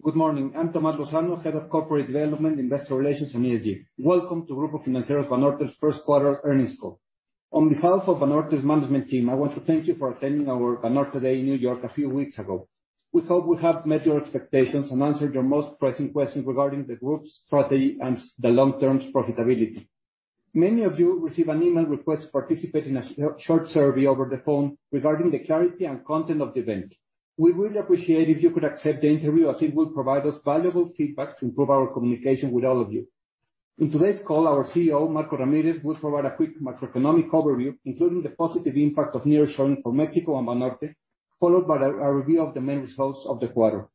Good morning. I'm Tomás Lozano, Head of Corporate Development, Investor Relations, and ESG. Welcome to Grupo Financiero Banorte's Q1 earnings call. On behalf of Banorte's management team, I want to thank you for attending our Banorte Day New York a few weeks ago. We hope we have met your expectations and answered your most pressing questions regarding the group's strategy and the long-term profitability. Many of you received an email request to participate in a short survey over the phone regarding the clarity and content of the event. We would appreciate if you could accept the interview, as it would provide us valuable feedback to improve our communication with all of you. In today's call, our CEO, Marcos Ramírez, will provide a quick macroeconomic overview, including the positive impact of nearshoring for Mexico and Banorte, followed by a review of the main results of the quarter.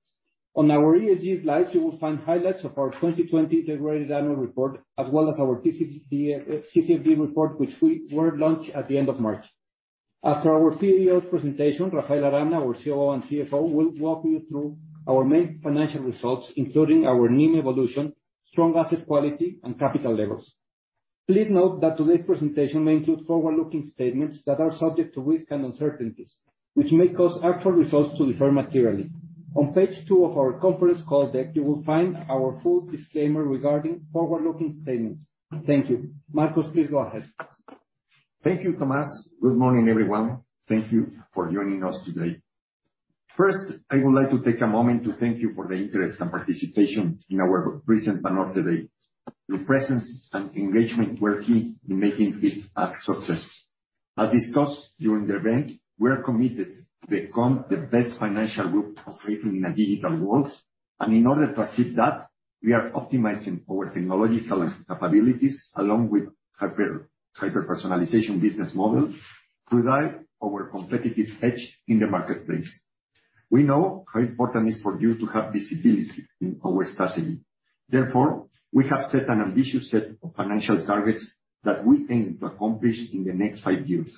On our ESG slides, you will find highlights of our 2020 integrated annual report, as well as our TCFD report, which we launched at the end of March. After our CEO's presentation, Rafael Arana de la Garza, our COO and CFO, will walk you through our main financial results, including our NIM evolution, strong asset quality, and capital levels. Please note that today's presentation may include forward-looking statements that are subject to risks and uncertainties, which may cause actual results to differ materially. On page two of our conference call deck, you will find our full disclaimer regarding forward-looking statements. Thank you. Marcos, please go ahead. Thank you, Tomás. Good morning, everyone. Thank you for joining us today. First, I would like to take a moment to thank you for the interest and participation in our recent Banorte Day. Your presence and engagement were key in making it a success. As discussed during the event, we are committed to become the best financial group operating in a digital world. In order to achieve that, we are optimizing our technological capabilities along with hyper-personalization business model to drive our competitive edge in the marketplace. We know how important it is for you to have visibility in our strategy. Therefore, we have set an ambitious set of financial targets that we aim to accomplish in the next five years,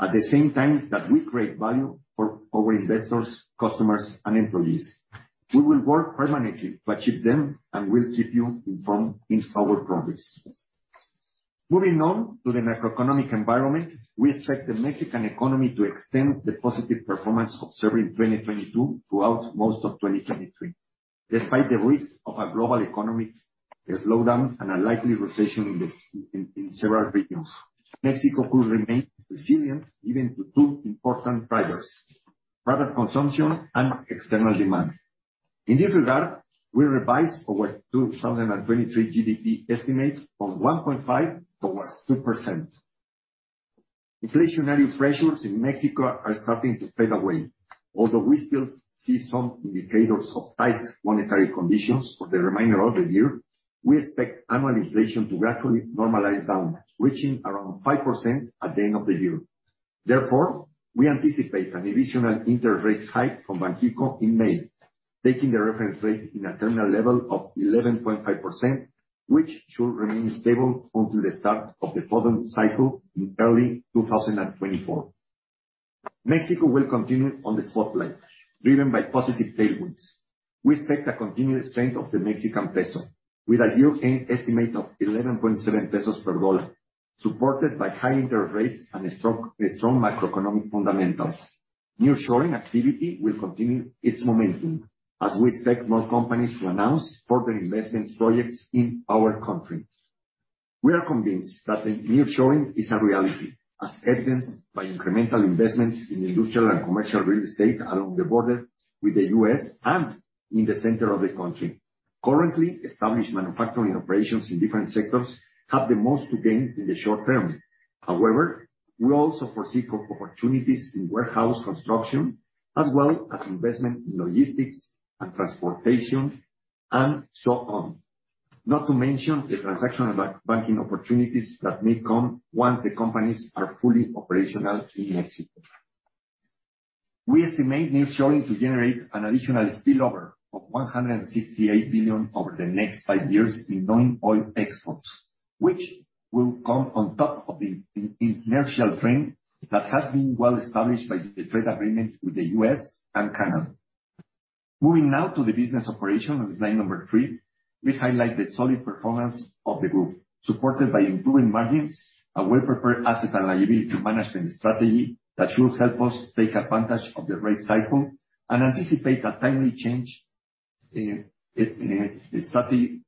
at the same time that we create value for our investors, customers, and employees. We will work permanently to achieve them, and we'll keep you informed in our progress. Moving on to the macroeconomic environment. We expect the Mexican economy to extend the positive performance observed in 2022 throughout most of 2023. Despite the risk of a global economy a slowdown and a likely recession in several regions, Mexico could remain resilient, even due to two important drivers, private consumption and external demand. In this regard, we revised our 2023 GDP estimate from 1.5 to 2%. Inflationary pressures in Mexico are starting to fade away. Although we still see some indicators of tight monetary conditions for the remainder of the year, we expect annual inflation to gradually normalize down, reaching around 5% at the end of the year. We anticipate an additional interest rate hike from Banxico in May, taking the reference rate in a terminal level of 11.5%, which should remain stable until the start of the following cycle in early 2024. Mexico will continue on the spotlight, driven by positive tailwinds. We expect a continued strength of the Mexican peso with a year-end estimate of 11.7 pesos per dollar, supported by high interest rates and a strong macroeconomic fundamentals. Nearshoring activity will continue its momentum, as we expect more companies to announce further investment projects in our country. We are convinced that the nearshoring is a reality, as evidenced by incremental investments in industrial and commercial real estate along the border with the U.S. and in the center of the country. Currently, established manufacturing operations in different sectors have the most to gain in the short term. However, we also foresee opportunities in warehouse construction, as well as investment in logistics and transportation and so on. Not to mention the transactional banking opportunities that may come once the companies are fully operational in Mexico. We estimate nearshoring to generate an additional spillover of 168 billion over the next five years, ignoring oil exports, which will come on top of the inertial trend that has been well established by the trade agreement with the U.S. and Canada. Moving now to the business operation on slide number three, we highlight the solid performance of the group, supported by improving margins, a well-prepared asset and liability management strategy that should help us take advantage of the rate cycle and anticipate a timely change in strategy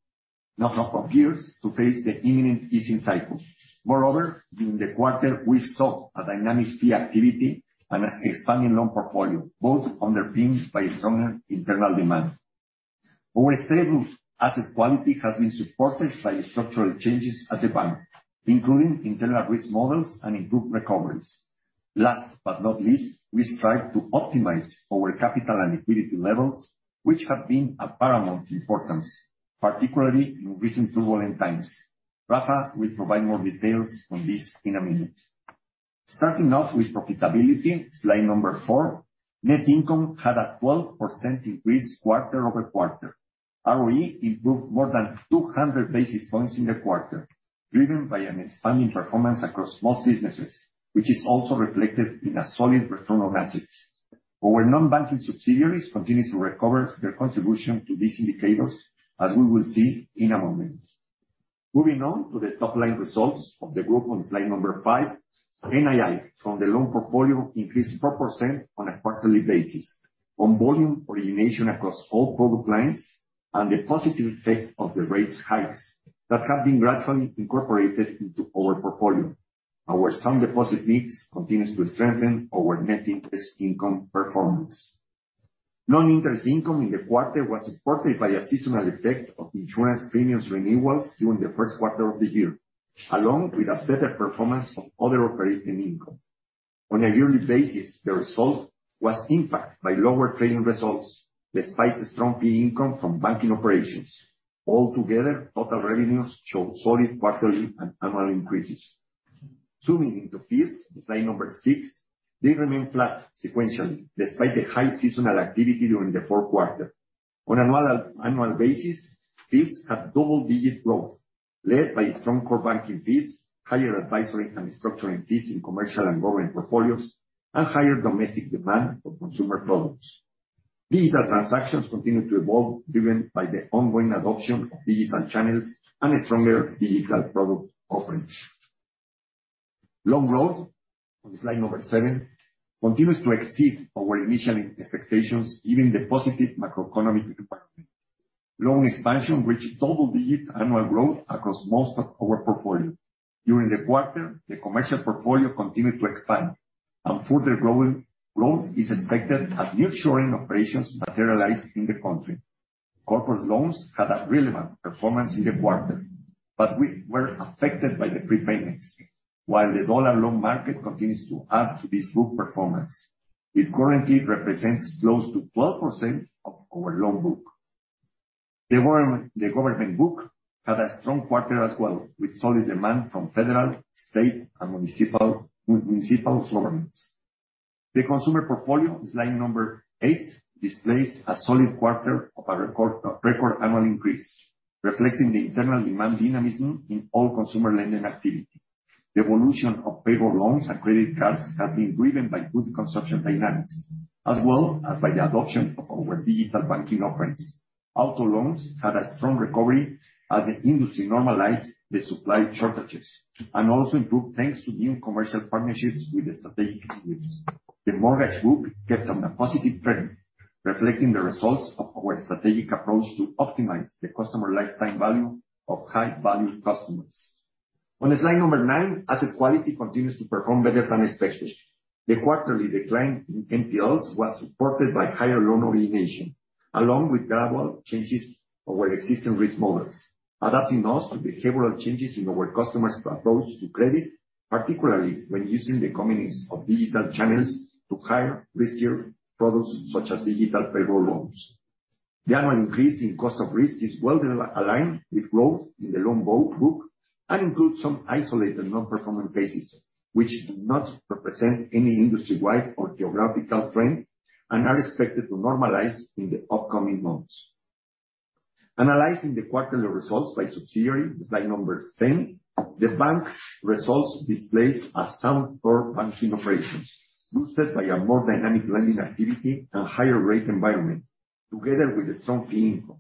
of peers to face the imminent easing cycle. Moreover, during the quarter, we saw a dynamic fee activity and an expanding loan portfolio, both underpinned by stronger internal demand. Our stable asset quality has been supported by structural changes at the bank, including internal risk models and improved recoveries. Last but not least, we strive to optimize our capital and liquidity levels, which have been of paramount importance, particularly in recent turbulent times. Rafa will provide more details on this in a minute. Starting off with profitability, slide number four. Net income had a 12% increase quarter-over-quarter. ROE improved more than 200 basis points in the quarter, driven by an expanding performance across most businesses, which is also reflected in a solid return on assets. Our non-banking subsidiaries continue to recover their contribution to these indicators, as we will see in a moment. Moving on to the top line results of the group on slide number 5. NII from the loan portfolio increased 4% on a quarterly basis on volume origination across all product lines and the positive effect of the rates hikes that have been gradually incorporated into our portfolio. Our sound deposit mix continues to strengthen our net interest income performance. Non-interest income in the quarter was supported by a seasonal effect of insurance premiums renewals during the first quarter of the year, along with a better performance of other operating income. On a yearly basis, the result was impacted by lower trading results, despite the strong fee income from banking operations. Altogether, total revenues showed solid quarterly and annual increases. Zooming into fees, slide number six, they remain flat sequentially despite the high seasonal activity during the Q4. On an annual basis, fees have double-digit growth led by strong core banking fees, higher advisory and structuring fees in commercial and government portfolios, and higher domestic demand for consumer products. Digital transactions continue to evolve, driven by the ongoing adoption of digital channels and a stronger digital product offerings. Loan growth, on slide number seven, continues to exceed our initial expectations given the positive macroeconomic environment. Loan expansion reached double-digit annual growth across most of our portfolio. During the quarter, the commercial portfolio continued to expand and further growth is expected as nearshoring operations materialize in the country. Corporate loans had a relevant performance in the quarter. We were affected by the prepayments. The dollar loan market continues to add to this group performance. It currently represents close to 12% of our loan book. The government book had a strong quarter as well, with solid demand from federal, state and municipal governments. The consumer portfolio, slide number 8, displays a solid quarter of a record annual increase, reflecting the internal demand dynamism in all consumer lending activity. The evolution of payroll loans and credit cards has been driven by good consumption dynamics, as well as by the adoption of our digital banking offerings. Auto loans had a strong recovery as the industry normalized the supply shortages, and also improved thanks to new commercial partnerships with strategic units. The mortgage book kept on a positive trend, reflecting the results of our strategic approach to optimize the customer lifetime value of high-value customers. On slide number 9, asset quality continues to perform better than expected. The quarterly decline in NPLs was supported by higher loan origination, along with durable changes of our existing risk models, adapting us to behavioral changes in our customers approach to credit, particularly when using the convenience of digital channels to higher riskier products such as digital payroll loans. The annual increase in cost of risk is well aligned with growth in the loan book, and includes some isolated non-performing cases which do not represent any industry-wide or geographical trend and are expected to normalize in the upcoming months. Analyzing the quarterly results by subsidiary, slide number 10, the bank results displays a sound core banking operations boosted by a more dynamic lending activity and higher rate environment together with a strong fee income.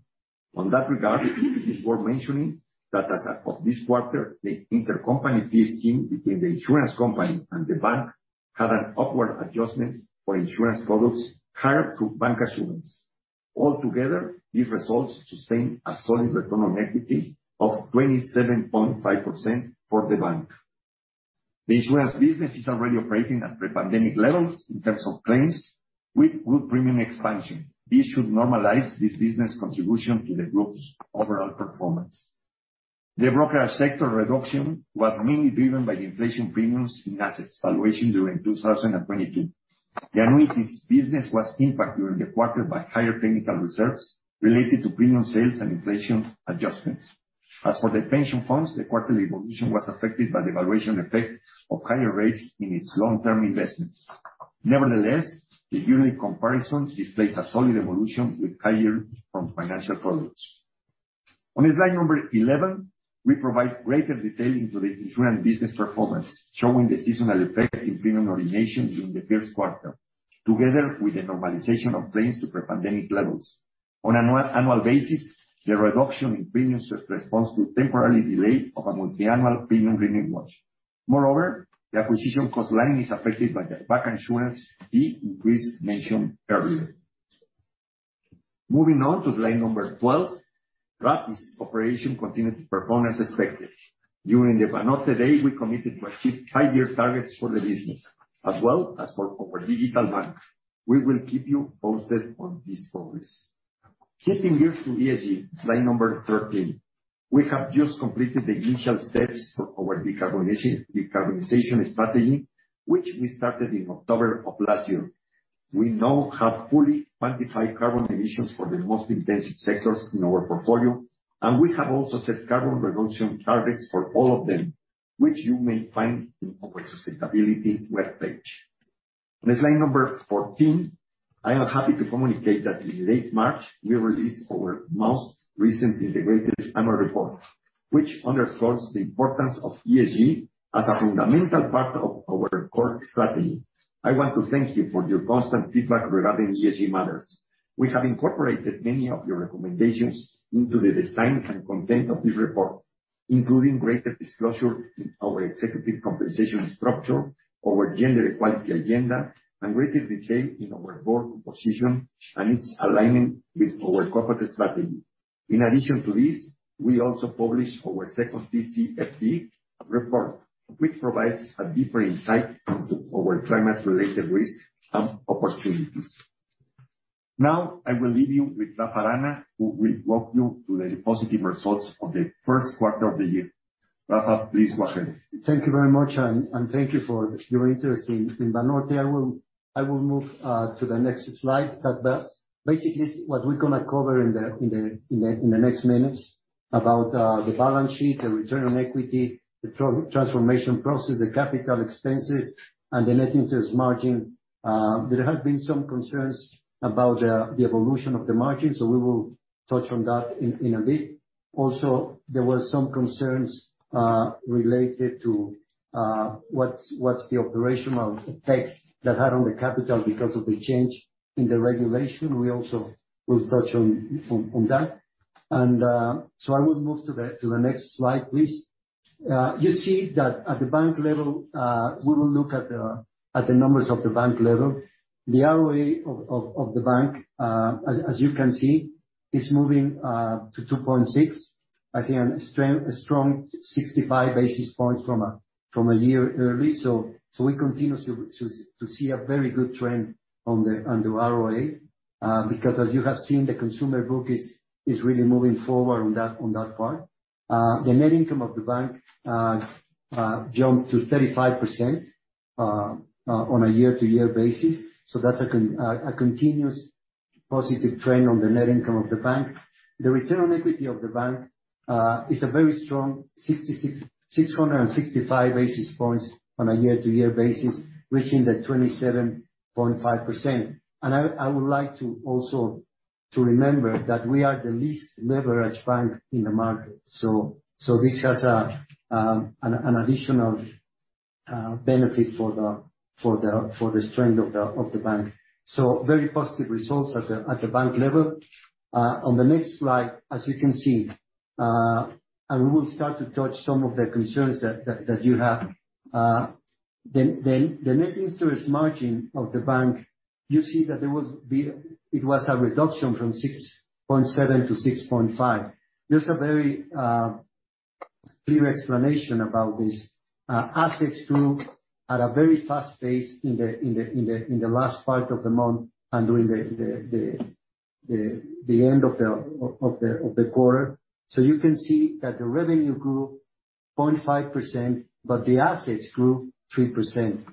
On that regard, it is worth mentioning that as of this quarter, the intercompany fee scheme between the insurance company and the bank had an upward adjustment for insurance products hired through bancassurance. Altogether, these results sustain a solid return on equity of 27.5% for the bank. The insurance business is already operating at pre-pandemic levels in terms of claims with good premium expansion. This should normalize this business contribution to the group's overall performance. The brokerage sector reduction was mainly driven by the inflation premiums in assets valuation during 2022. The annuities business was impacted during the quarter by higher technical reserves related to premium sales and inflation adjustments. As for the pension funds, the quarterly evolution was affected by the valuation effect of higher rates in its long-term investments. Nevertheless, the yearly comparison displays a solid evolution with higher from financial products. On slide number 11, we provide greater detail into the insurance business performance, showing the seasonal effect in premium origination during the first quarter, together with the normalization of claims to pre-pandemic levels. On an annual basis, the reduction in premiums was responsible temporarily delay of a multi-annual premium renewal. Moreover, the acquisition cost line is affected by the bancassurance fee increase mentioned earlier. Moving on to slide number 12, Rappi's operation continued to perform as expected. During the Banorte Day, we committed to achieve five-year targets for the business as well as for our digital bank. We will keep you posted on this progress. Shifting gears to ESG, slide number 13, we have just completed the initial steps for our decarbonization strategy, which we started in October of last year. We now have fully quantified carbon emissions for the most intensive sectors in our portfolio, and we have also set carbon reduction targets for all of them, which you may find in our sustainability webpage. On slide number 14, I am happy to communicate that in late March we released our most recent integrated annual report, which underscores the importance of ESG as a fundamental part of our core strategy. I want to thank you for your constant feedback regarding ESG matters. We have incorporated many of your recommendations into the design and content of this report, including greater disclosure in our executive compensation structure, our gender equality agenda, and greater detail in our board composition and its alignment with our corporate strategy. In addition to this, we also published our second TCFD report, which provides a deeper insight into our climate-related risks and opportunities. Now, I will leave you with Rafael Arana, who will walk you through the positive results of the first quarter of the year. Rafa, please go ahead. Thank you very much, and thank you for your interest in Banorte. I will move to the next slide, Deck. Basically, what we're gonna cover in the next minutes about the balance sheet, the return on equity, the trans-transformation process, the capital expenses, and the net interest margin. There has been some concerns about the evolution of the margin. We will touch on that in a bit. Also, there were some concerns related to what's the operational effect that had on the capital because of the change in the regulation. We also will touch on that. I will move to the next slide, please. You see that at the bank level, we will look at the numbers of the bank level. The ROE of the bank, as you can see, is moving to 26%. Again, strong 65 basis points from a year earlier. We continue to see a very good trend on the ROE, because as you have seen, the consumer book is really moving forward on that part. The net income of the bank jumped to 35% on a year-to-year basis. That's a continuous positive trend on the net income of the bank. The return on equity of the bank is a very strong 665 basis points on a year-to-year basis, reaching the 27.5%. I would like to also to remember that we are the least leveraged bank in the market. This has an additional benefit for the strength of the bank. Very positive results at the bank level. On the next slide, as you can see, we will start to touch some of the concerns that you have. The net interest margin of the bank, you see that there was a reduction from 6.7% to 6.5%. There's a very clear explanation about this. Assets grew at a very fast pace in the last part of the month and during the end of the quarter. You can see that the revenue grew 0.5%, but the assets grew 3%.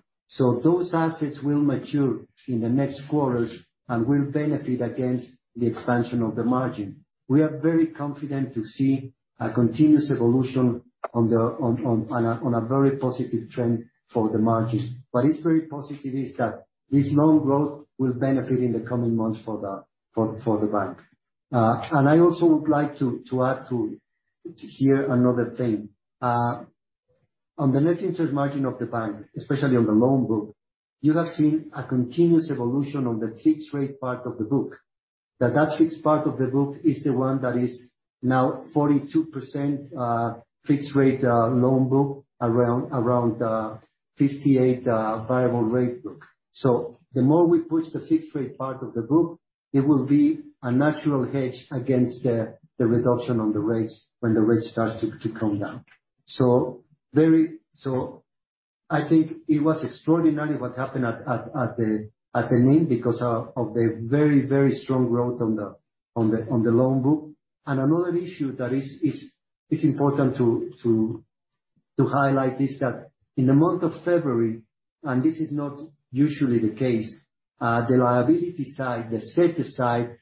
Those assets will mature in the next quarters and will benefit against the expansion of the margin. We are very confident to see a continuous evolution on a very positive trend for the margin. What is very positive is that this loan growth will benefit in the coming months for the bank. I also would like to add here another thing. On the net interest margin of the bank, especially on the loan book, you have seen a continuous evolution on the fixed rate part of the book. That fixed part of the book is the one that is now 42% fixed rate, loan book around 58 variable rate book. The more we push the fixed rate part of the book, it will be a natural hedge against the reduction on the rates when the rates starts to come down. I think it was extraordinary what happened at the NIM because of the very strong growth on the loan book. Another issue that is important to highlight is that in the month of February, and this is not usually the case, the liability side, the center side,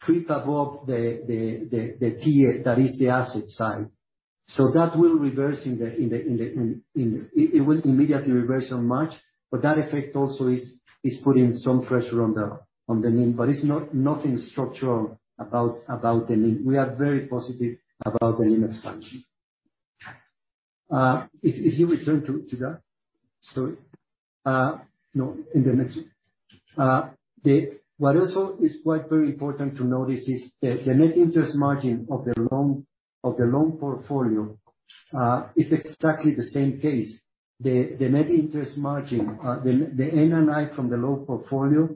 creep above the TIIE that is the asset side. That will reverse in the it will immediately reverse on March, but that effect also is putting some pressure on the NIM, but it's nothing structural about the NIM. We are very positive about the NIM expansion. If you return to that. Sorry. No, in the next. What also is quite very important to notice is the net interest margin of the loan portfolio is exactly the same case. The net interest margin, the NII from the loan portfolio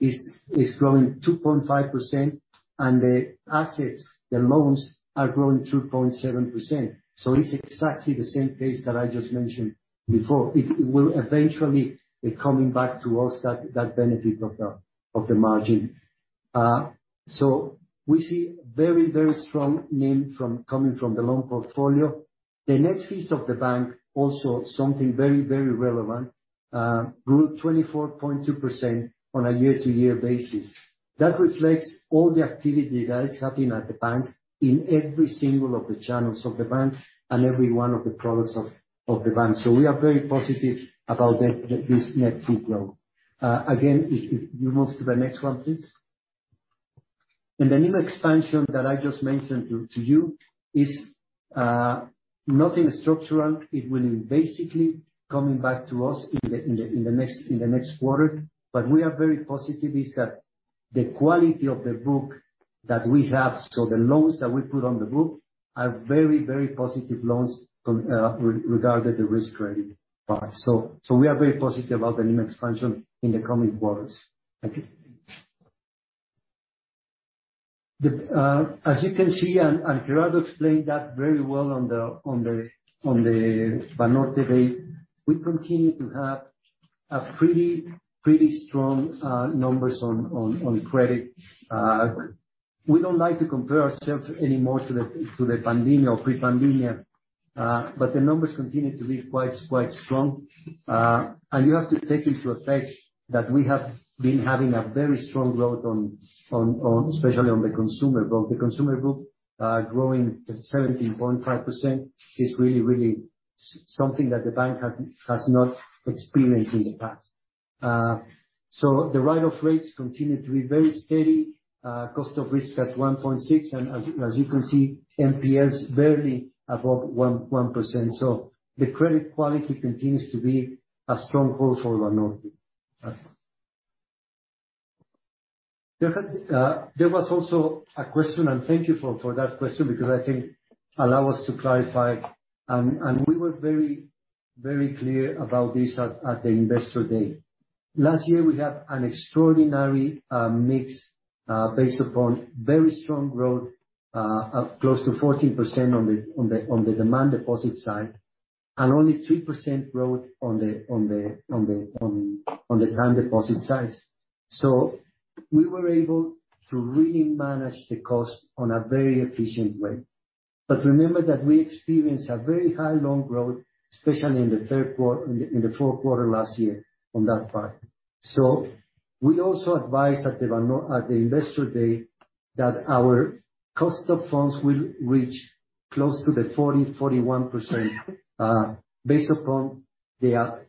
is growing 2.5%, and the assets, the loans, are growing 2.7%. It will eventually be coming back towards that benefit of the margin. We see very strong NIM coming from the loan portfolio. The net fees of the bank, also something very relevant, grew 24.2% on a year-to-year basis. That reflects all the activity that is happening at the bank in every single of the channels of the bank and every one of the products of the bank. We are very positive about this net fee growth. Again, if you move to the next one, please. The NIM expansion that I just mentioned to you is nothing structural. It will be basically coming back to us in the next quarter. We are very positive is that the quality of the book that we have, so the loans that we put on the book, are very positive loans regarding the risk rating part. We are very positive about the NIM expansion in the coming quarters. Thank you. As you can see, Gerardo explained that very well on the Banorte Day, we continue to have a pretty strong numbers on credit. We don't like to compare ourselves anymore to the pandemic or pre-pandemic, the numbers continue to be quite strong. You have to take into effect that we have been having a very strong growth on especially on the consumer book. The consumer book, growing at 17.5% is really something that the bank has not experienced in the past. The write-off rates continue to be very steady, cost of risk at 1.6%, and as you can see, NPLs barely above 1%. The credit quality continues to be a stronghold for Banorte. There had, there was also a question. Thank you for that question, because I think allow us to clarify, and we were very clear about this at the investor day. Last year, we had an extraordinary mix, based upon very strong growth of close to 14% on the demand deposit side, and only 3% growth on the time deposit side. We were able to really manage the cost on a very efficient way. Remember that we experienced a very high loan growth, especially in the Q4 last year on that part. We also advise at the Banorte at the Investor Day that our cost of funds will reach close to the 40% to 41%, based upon the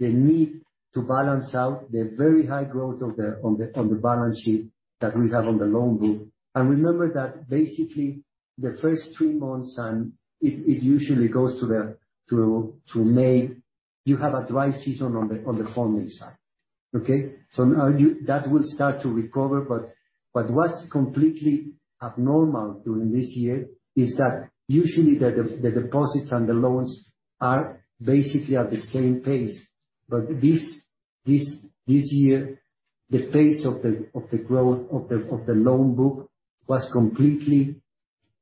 need to balance out the very high growth of the on the balance sheet that we have on the loan book. Remember that basically the first three months, and it usually goes to May, you have a dry season on the funding side. Okay? Now that will start to recover, but what's completely abnormal during this year is that usually the deposits and the loans are basically at the same pace. This year, the pace of the growth of the loan book was completely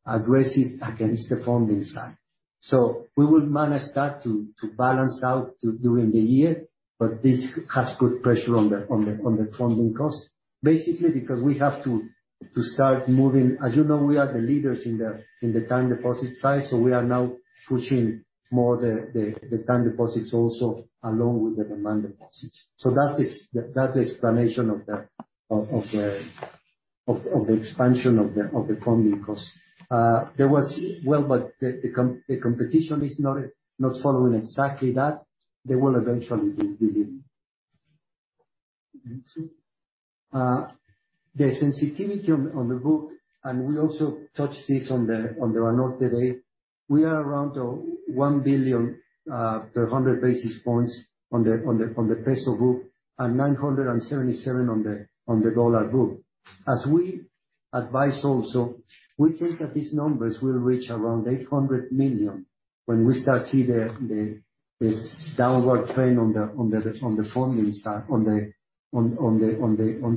aggressive against the funding side. We will manage that to balance out during the year, but this has put pressure on the funding cost, basically because we have to start moving. As you know, we are the leaders in the time deposit side, so we are now pushing more the time deposits also along with the demand deposits. That is, that's the explanation of the expansion of the funding cost. Well, the competition is not following exactly that. They will eventually be doing. The sensitivity on the book, and we also touched this on the Banorte Day, we are around 1 billion per 100 basis points on the peso book, and 977 million on the dollar book. As we advise also, we think that these numbers will reach around 800 million when we start to see the downward trend on the funding side, on the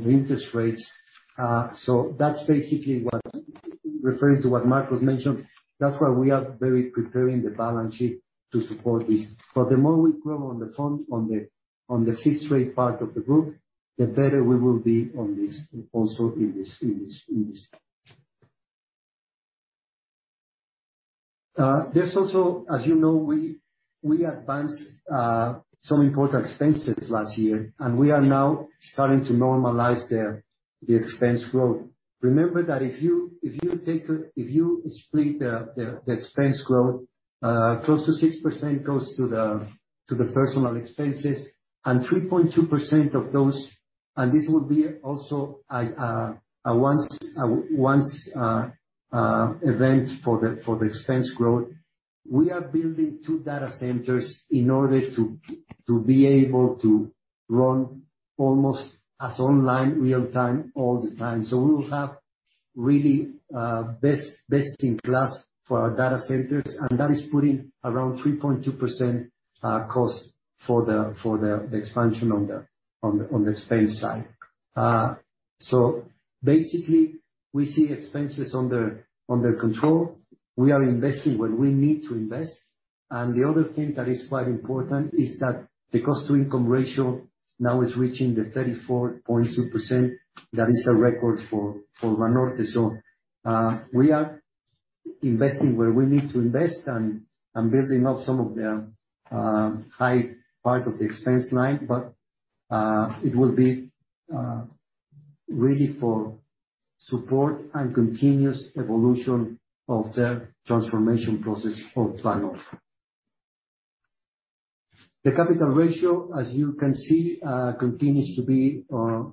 interest rates. That's basically referring to what Marcos mentioned, that's why we are very preparing the balance sheet to support this. The more we grow on the fixed rate part of the book, the better we will be on this. There's also, as you know, we advanced some important expenses last year, we are now starting to normalize the expense growth. Remember that if you split the expense growth, close to 6% goes to the personal expenses, and 3.2% of those. This will be also a once event for the expense growth. We are building 2 data centers in order to be able to run almost as online real-time all the time. We will have really best-in-class for our data centers, that is putting around 3.2% cost for the expansion on the expense side. Basically, we see expenses under control. We are investing where we need to invest. The other thing that is quite important is that the cost-to-income ratio now is reaching the 34.2%. That is a record for Banorte. We are investing where we need to invest and building up some of the high part of the expense line. It will be really for support and continuous evolution of the transformation process for Banorte. The capital ratio, as you can see, continues to be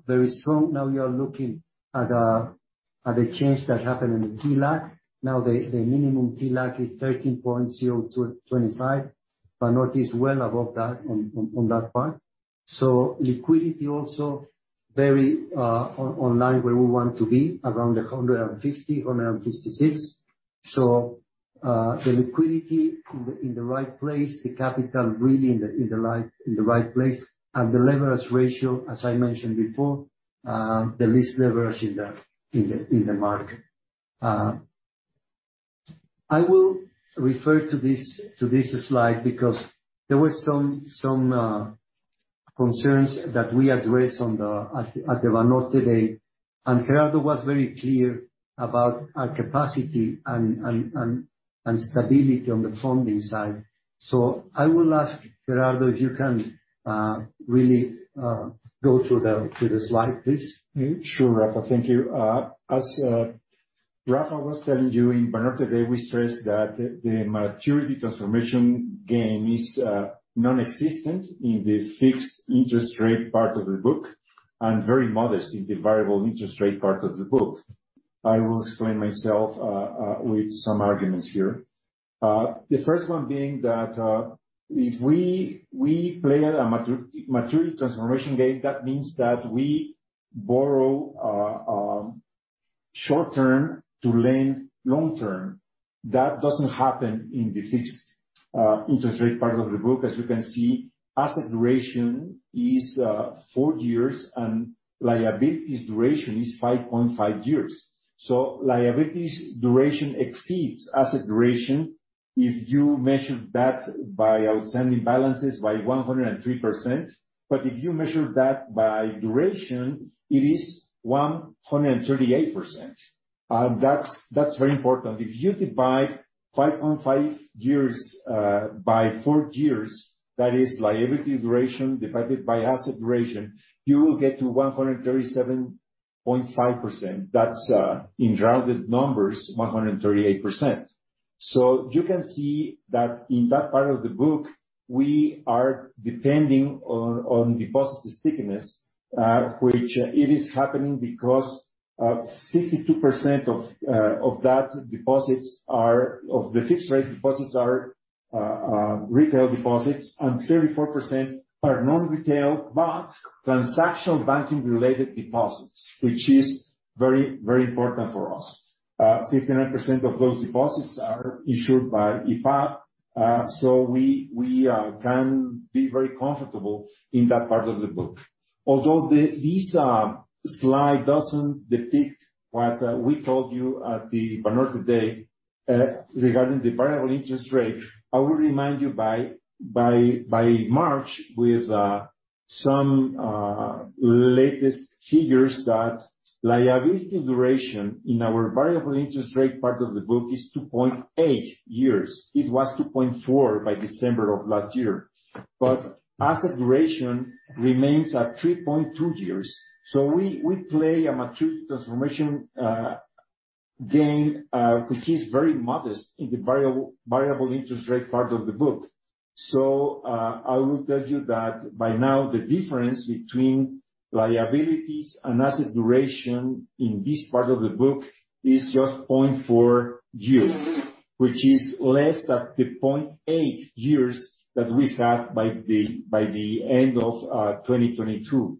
very strong. Now you are looking at the change that happened in the TLAC. Now, the minimum TLAC is 13.0225. Banorte is well above that on that part. Liquidity also very on-online where we want to be, around 150, 156. The liquidity in the right place, the capital really in the right place, and the leverage ratio, as I mentioned before, the least leverage in the market. I will refer to this slide because there were some concerns that we addressed At the Banorte Day, and Gerardo was very clear about our capacity and stability on the funding side. I will ask Gerardo if you can really go through the slide, please. Sure, Rafa. Thank you. As Rafa was telling you, in Banorte Day, we stressed that the maturity transformation gain is non-existent in the fixed interest rate part of the book, and very modest in the variable interest rate part of the book. I will explain myself with some arguments here. The first one being that if we play a maturity transformation game, that means that we borrow short term to lend long term. That doesn't happen in the fixed interest rate part of the book. As you can see, asset duration is four years, and liabilities duration is 5.5 years. Liabilities duration exceeds asset duration if you measure that by outstanding balances by 103%. If you measure that by duration, it is 138%. That's very important. If you divide 5.5 years by four years, that is liability duration divided by asset duration, you will get to 137.5%. That's in rounded numbers, 138%. You can see that in that part of the book, we are depending on deposit stickiness, which it is happening because 62% of the fixed rate deposits are retail deposits, and 34% are non-retail, but transactional banking related deposits, which is very, very important for us. 59% of those deposits are issued by IPAB, we can be very comfortable in that part of the book. Although this slide doesn't depict what we told you at the Banorte Day regarding the variable interest rate, I will remind you by March with some latest figures that liability duration in our variable interest rate part of the book is 2.8 years. It was 2.4 by December of last year. Asset duration remains at 3.2 years. We play a maturity transformation gain, which is very modest in the variable interest rate part of the book. I will tell you that by now the difference between liabilities and asset duration in this part of the book is just 0.4 years, which is less than the 0.8 years that we had by the end of 2022.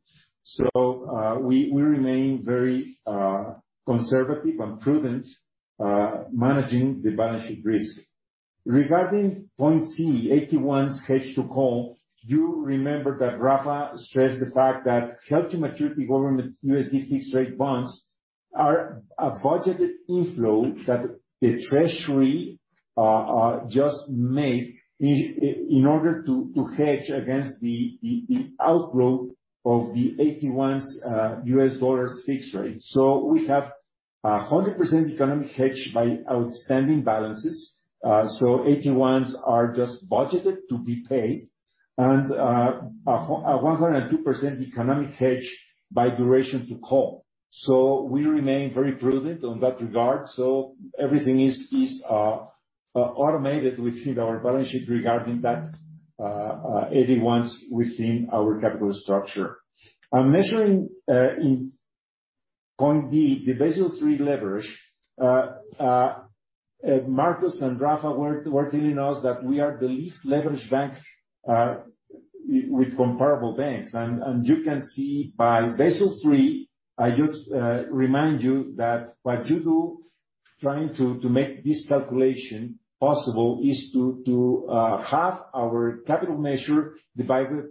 We remain very conservative and prudent managing the balance sheet risk. Regarding point C, AT1s hedge to call, you remember that Rafa stressed the fact that held-to-maturity government USD fixed rate bonds are a budgeted inflow that the treasury just made in order to hedge against the outflow of the AT1s US dollars fixed rate. We have a 100% economic hedge by outstanding balances, so AT1s are just budgeted to be paid, and a 102% economic hedge by duration to call. We remain very prudent on that regard, everything is automated within our balance sheet regarding that AT1s within our capital structure. Measuring in point B, the Basel III leverage, Marcos and Rafa were telling us that we are the least leveraged bank with comparable banks. You can see by Basel III, I just remind you that what you do trying to make this calculation possible is to have our capital measure divided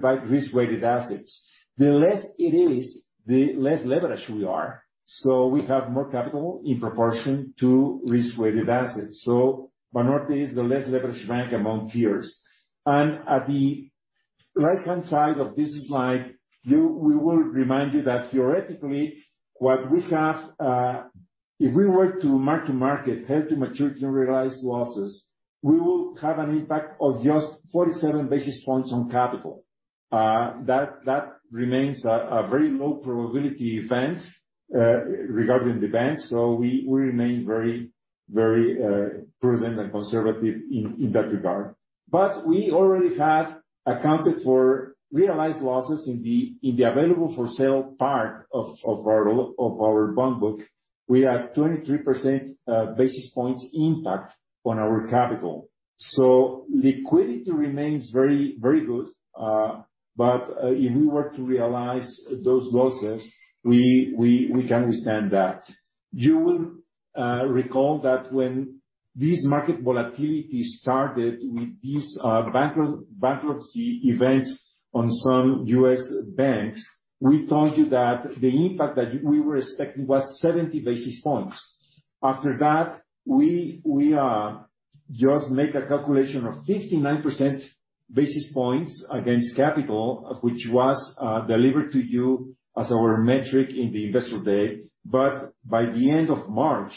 by risk-weighted assets. The less it is, the least leveraged we are. We have more capital in proportion to risk-weighted assets. Banorte is the least leveraged bank among peers. At the right-hand side of this slide, we will remind you that theoretically, what we have, if we were to mark-to-market held-to-maturity unrealized losses, we will have an impact of just 47 basis points on capital. That remains a very low probability event regarding the bank. We remain very prudent and conservative in that regard. We already have accounted for realized losses in the available-for-sale part of our bond book. We had 23 basis points impact on our capital. Liquidity remains very good. If we were to realize those losses, we can withstand that. You will recall that when this market volatility started with these bankruptcy events on some US banks, we told you that the impact that we were expecting was 70 basis points. After that, we just make a calculation of 59 basis points against capital, which was delivered to you as our metric in the investor day. By the end of March,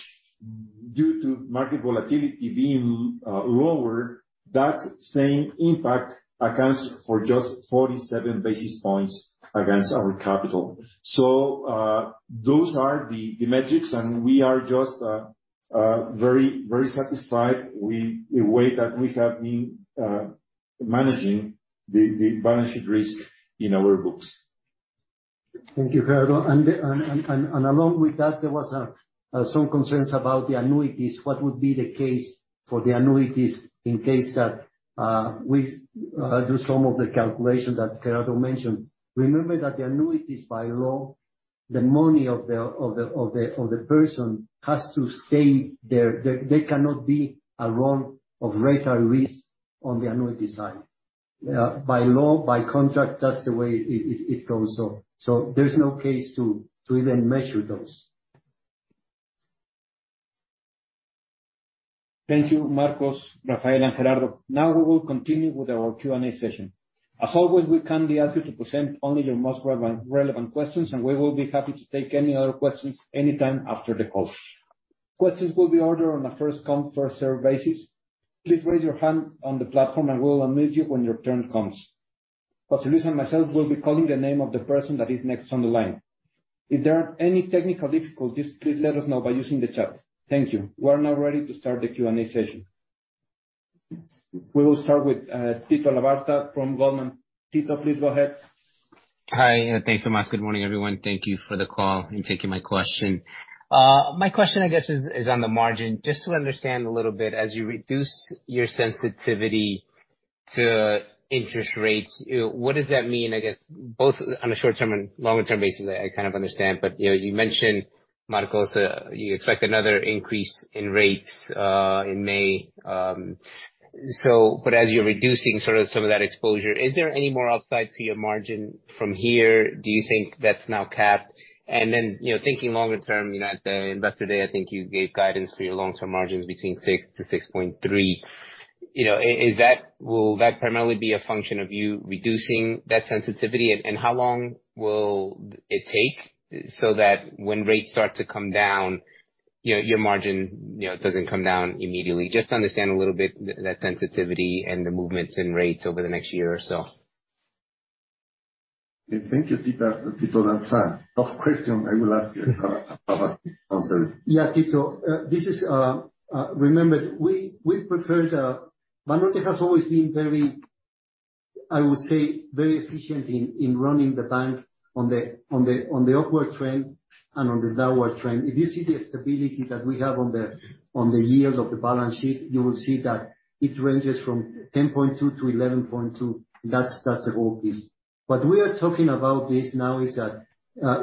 due to market volatility being lower, that same impact accounts for just 47 basis points against our capital. Those are the metrics, and we are just very satisfied with the way that we have been managing the balance sheet risk in our books. Thank you, Gerardo. Along with that, there was some concerns about the annuities, what would be the case for the annuities in case that we do some of the calculations that Gerardo mentioned. Remember that the annuities by law, the money of the person has to stay there. There cannot be a run of rate or risk on the annuity side. By law, by contract, that's the way it goes. There's no case to even measure those. Thank you, Marcos, Rafael, and Gerardo. We will continue with our Q&A session. As always, we kindly ask you to present only your most relevant questions. We will be happy to take any other questions anytime after the call. Questions will be ordered on a first-come, first-served basis. Please raise your hand on the platform and we'll unmute you when your turn comes. Jose Luis and myself will be calling the name of the person that is next on the line. If there are any technical difficulties, please let us know by using the chat. Thank you. We are now ready to start the Q&A session. We will start with Tito Labarta from Goldman. Tito, please go ahead. Hi, and thanks so much. Good morning, everyone. Thank you for the call and taking my question. My question, I guess, is on the margin. Just to understand a little bit, as you reduce your sensitivity to interest rates, you know, what does that mean, I guess, both on a short-term and longer term basis? I kind of understand, but, you know, you mentioned, Marcos, you expect another increase in rates in May. But as you're reducing sort of some of that exposure, is there any more upside to your margin from here? Do you think that's now capped? Then, you know, thinking longer term, you know, at the investor day, I think you gave guidance for your long-term margins between 6% to 6.3%. You know, will that primarily be a function of you reducing that sensitivity? How long will it take so that when rates start to come down, your margin, you know, doesn't come down immediately? Just to understand a little bit that sensitivity and the movements in rates over the next year or so. Thank you, Tito Labarta. Tough question. I will ask Rafa about answer. Yeah, Tito. This is, remember, we preferred. Banorte has always been very, I would say, very efficient in running the bank on the upward trend and on the downward trend. If you see the stability that we have on the yields of the balance sheet, you will see that it ranges from 10.2%-11.2%. That's the whole piece. What we are talking about this now is that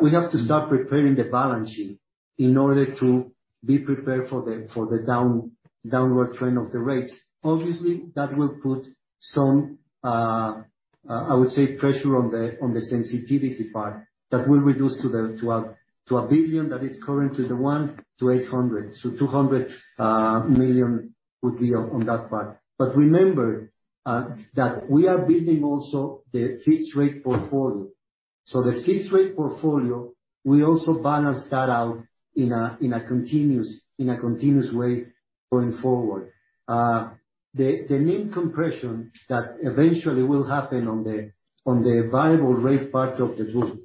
we have to start preparing the balance sheet in order to be prepared for the downward trend of the rates. Obviously, that will put some, I would say, pressure on the sensitivity part. That will reduce to 1 billion that is currently the 1 to 800. 200 million would be on that part. Remember that we are building also the fixed rate portfolio. The fixed rate portfolio, we also balance that out in a continuous way going forward. The NIM compression that eventually will happen on the variable rate part of the group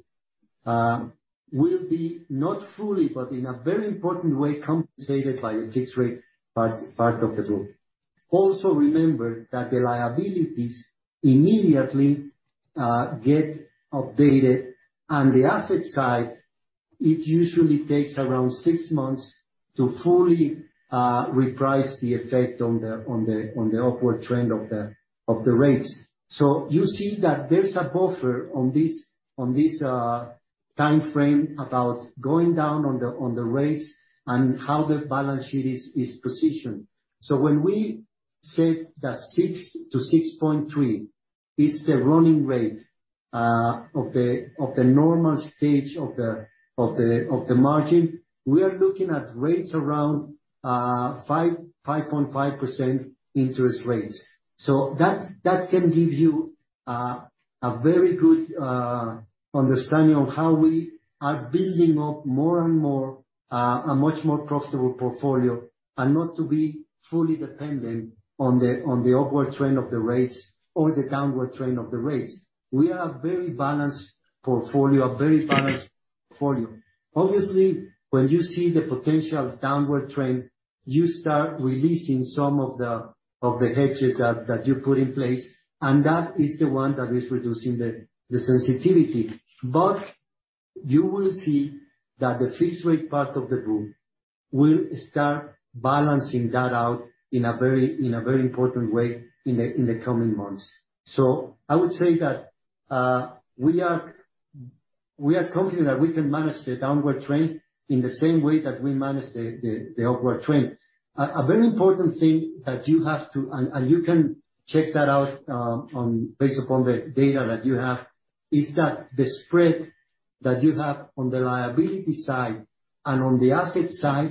will be not fully, but in a very important way, compensated by the fixed rate part of the group. Also remember that the liabilities immediately get updated. On the asset side, it usually takes around 6 months to fully reprice the effect on the upward trend of the rates. You see that there's a buffer on this timeframe about going down on the rates and how the balance sheet is positioned. When we said that 6.0% to 6.3% is the running rate of the normal stage of the margin, we are looking at rates around 5.5% interest rates. That can give you a very good understanding of how we are building up more and more a much more profitable portfolio and not to be fully dependent on the upward trend of the rates or the downward trend of the rates. We are a very balanced portfolio, a very balanced. For you. Obviously, when you see the potential downward trend, you start releasing some of the hedges that you put in place, and that is the one that is reducing the sensitivity. You will see that the fixed rate part of the book will start balancing that out in a very important way in the coming months. I would say that we are confident that we can manage the downward trend in the same way that we managed the upward trend. A very important thing that you have to, and you can check that out based upon the data that you have, is that the spread that you have on the liability side and on the asset side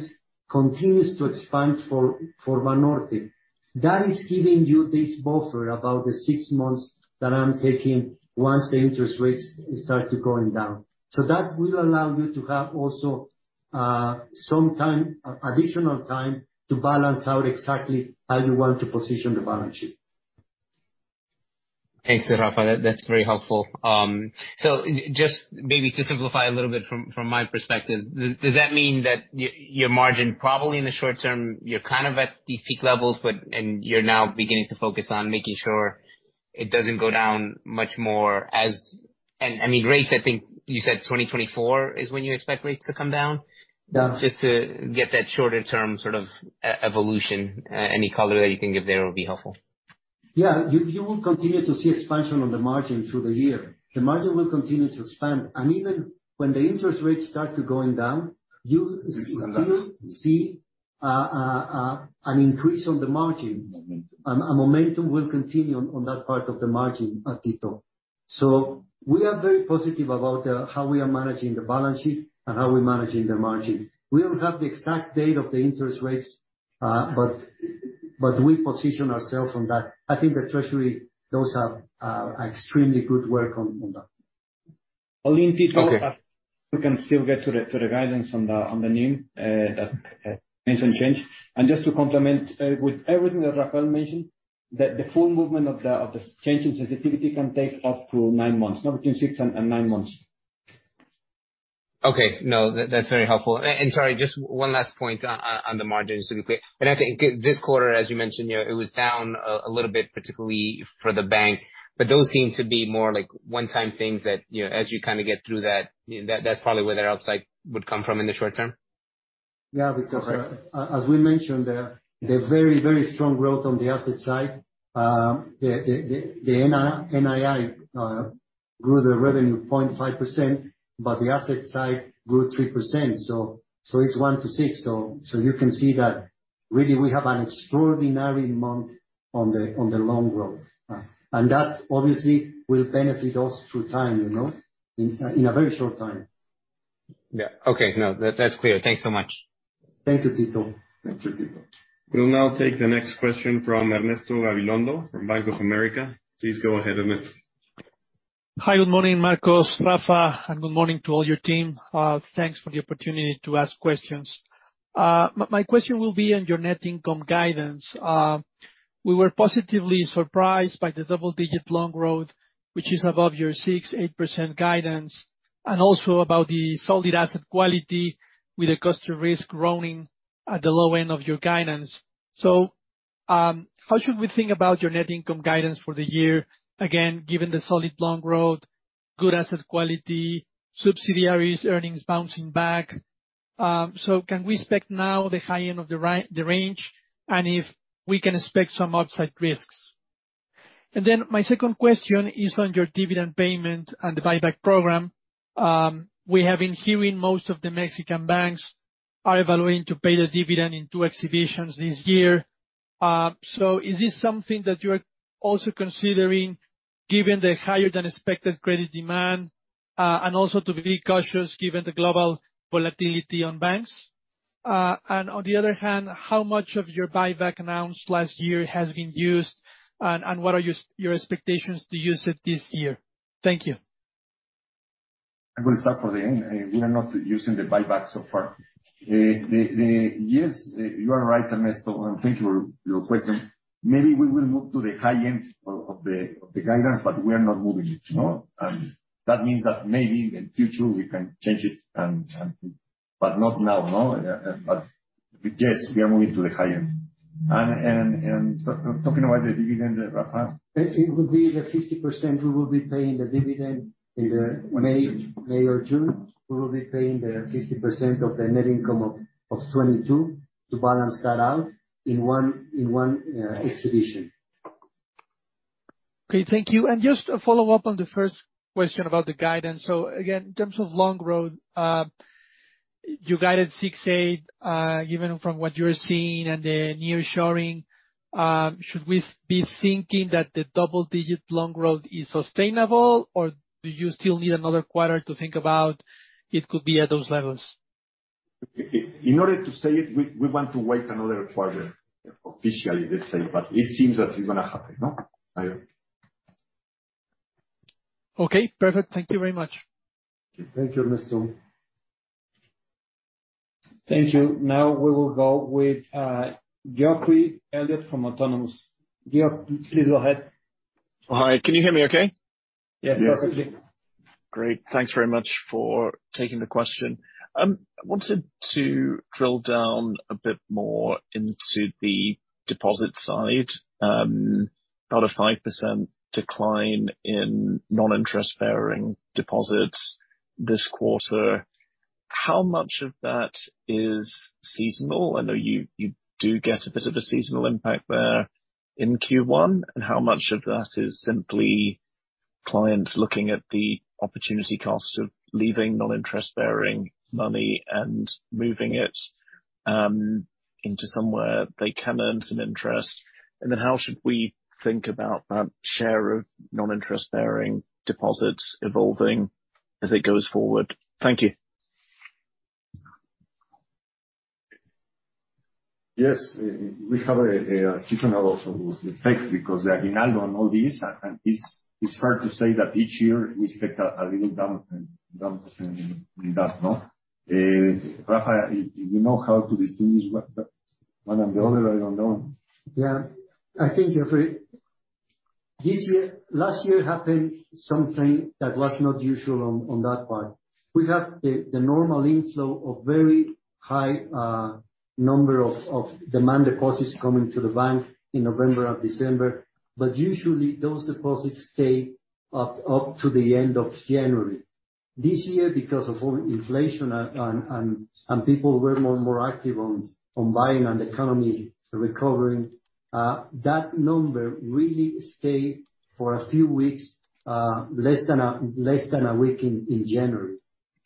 continues to expand for Banorte. That is giving you this buffer about the six months that I'm taking once the interest rates start to going down. That will allow you to have also, some time, additional time to balance out exactly how you want to position the balance sheet. Thanks, Rafael. That's very helpful. just maybe to simplify a little bit from my perspective, does that mean that your margin probably in the short term, you're kind of at these peak levels, but, and you're now beginning to focus on making sure it doesn't go down much more as? I mean, rates, I think you said 2024 is when you expect rates to come down. Down. Just to get that shorter term sort of evolution, any color that you can give there would be helpful. Yeah. You will continue to see expansion on the margin through the year. The margin will continue to expand, even when the interest rates start to going down. Will come down. You will see an increase on the margin. Momentum. A momentum will continue on that part of the margin, Tito. We are very positive about how we are managing the balance sheet and how we're managing the margin. We don't have the exact date of the interest rates, but we position ourselves on that. I think the treasury, those are extremely good work on that. Only in Tito. Okay. We can still get to the guidance on the new that mentioned change. Just to complement with everything that Rafael mentioned, the full movement of the change in sensitivity can take up to nine months, somewhere between six and nine months. Okay. No, that's very helpful. Sorry, just one last point on the margins really quick. I think this quarter, as you mentioned, you know, it was down a little bit particularly for the bank, but those seem to be more, like, one-time things that, you know, as you kind of get through that, you know, that's probably where the upside would come from in the short term. Yeah, because as we mentioned, the very strong growth on the asset side, the NII grew the revenue 0.5%, but the asset side grew 3%. It's 1 to 6. You can see that really we have an extraordinary month on the loan growth. That obviously will benefit us through time, you know, in a very short time. Yeah. Okay. No, that's clear. Thanks so much. Thank you, Tito. Thank you, Tito. We'll now take the next question from Ernesto Gabilondo from Bank of America. Please go ahead, Ernesto. Hi. Good morning, Marcos, Rafael, and good morning to all your team. Thanks for the opportunity to ask questions. My question will be on your net income guidance. We were positively surprised by the double-digit loan growth, which is above your 6%, 8% guidance, and also about the solid asset quality with the cost of risk growing at the low end of your guidance. How should we think about your net income guidance for the year, again, given the solid loan growth, good asset quality, subsidiaries earnings bouncing back? Can we expect now the high end of the range, and if we can expect some upside risks? My second question is on your dividend payment and the buyback program. We have been hearing most of the Mexican banks are evaluating to pay the dividend in two exhibitions this year. Is this something that you are also considering given the higher than expected credit demand, and also to be cautious given the global volatility on banks? On the other hand, how much of your buyback announced last year has been used and what are your expectations to use it this year? Thank you. I'm gonna start from the end. We are not using the buyback so far. The years, you are right, Ernesto, and thank you for your question. Maybe we will move to the high end of the guidance, but we are not moving it. No? That means that maybe in future we can change it. Not now. No? Yes, we are moving to the high end. Talking about the dividend, Rafael. It would be the 50% we will be paying the dividend in the. May. May or June. We will be paying the 50% of the net income of 2022 to balance that out in one exhibition. Okay, thank you. Just a follow-up on the first question about the guidance. Again, in terms of loan growth, you guided 6% to 8%, given from what you're seeing and the nearshoring, should we be thinking that the double-digit loan growth is sustainable or do you still need another quarter to think about it could be at those levels? In order to say it, we want to wait another quarter officially, let's say, but it seems that it's gonna happen, no? Okay, perfect. Thank you very much. Thank you, Ernesto. Thank you. Now we will go with Geoffrey Elliott from Autonomous. Geoff, please go ahead. Hi. Can you hear me okay? Yeah, perfectly. Great. Thanks very much for taking the question. I wanted to drill down a bit more into the deposit side. About a 5% decline in non-interest bearing deposits this quarter. How much of that is seasonal? I know you do get a bit of a seasonal impact there in Q1. How much of that is simply clients looking at the opportunity cost of leaving non-interest bearing money and moving it into somewhere they can earn some interest? How should we think about that share of non-interest bearing deposits evolving as it goes forward? Thank you. Yes. We have a seasonal also effect because the aguinaldo and all this, and it's hard to say that each year we expect a little down in that, no? Rafael, you know how to distinguish what one and the other, I don't know. Yeah. I think, Geoffrey, this year. Last year happened something that was not usual on that part. We have the normal inflow of very high number of demand deposits coming to the bank in November or December. Usually, those deposits stay up to the end of January. This year, because of all inflation and people were more and more active on buying and the economy recovering, that number really stayed for a few weeks, less than a week in January.